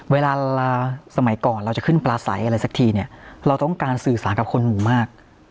เวลาสมัยก่อนเราจะขึ้นปลาใสอะไรสักทีเนี่ยเราต้องการสื่อสารกับคนหมู่มาก